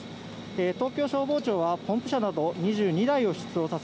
東京消防庁はポンプ車など２２台を出動させ